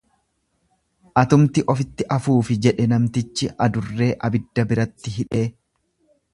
Atumti ofitti afuufi jedhe namtichi adurree abidda biratti hidhee.